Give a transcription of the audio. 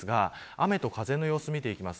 雨と風の様子を見ていきます。